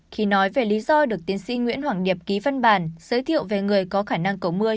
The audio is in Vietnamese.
khi nói về lý do được tiến sĩ nguyễn hoàng điệp ký văn bản giới thiệu về người có khả năng cầu mưa